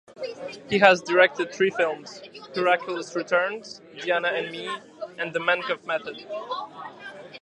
He has directed three films, "Hercules Returns", "Diana and Me" and "The Menkoff Method".